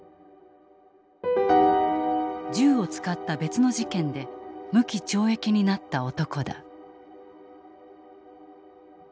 銃を使った別の事件で無期懲役になった男だ。